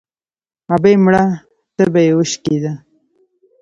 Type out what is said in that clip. ـ ابۍ مړه تبه يې وشکېده.